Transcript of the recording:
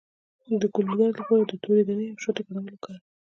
د ګلو درد لپاره د تورې دانې او شاتو ګډول وکاروئ